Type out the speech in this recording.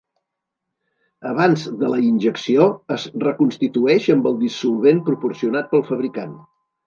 Abans de la injecció es reconstitueix amb el dissolvent proporcionat pel fabricant.